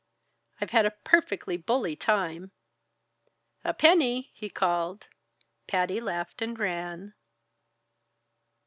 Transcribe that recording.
"I've had a perfectly bully time!" "A penny!" he called. Patty laughed and ran.